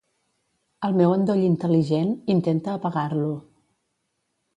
El meu endoll intel·ligent, intenta apagar-lo.